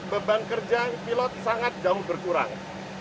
beban kerja pilot sangat jauh berkurang